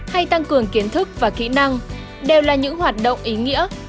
hay tăng cường kiến thức và kỹ năng đều là những hoạt động ý nghĩa